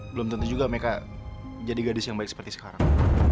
belum tentu juga mereka jadi gadis yang baik seperti sekarang